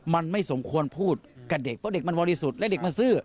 มันไม่สมควรพูดกับเด็กเพราะเด็กมันบริสุทธิ์และเด็กมันซื่อ